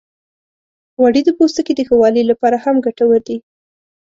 غوړې د پوستکي د ښه والي لپاره هم ګټورې دي.